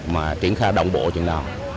mà triển khai động bộ chừng nào